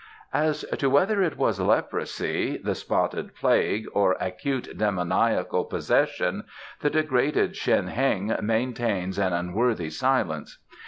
"As to whether it was leprosy, the spotted plague, or acute demoniacal possession, the degraded Shen Heng maintains an unworthy silence.